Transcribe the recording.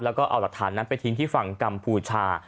แล้วก็เอาหลักฐานนั้นไปทิ้งที่ฝั่งกัมพูชา